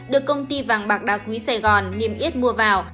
được công ty vàng bạc đa quý sài gòn niêm yết mua vào